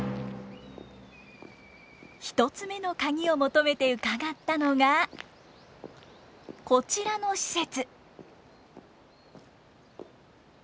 １つ目のカギを求めて伺ったのがこちらの施設。